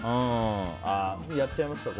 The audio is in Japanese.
やっちゃいますか？